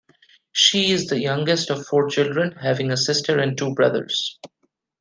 She is the youngest of four children, having a sister and two brothers.